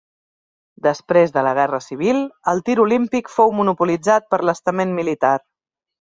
Després de la Guerra Civil, el tir olímpic fou monopolitzat per l'estament militar.